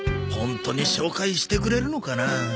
ホントに紹介してくれるのかな？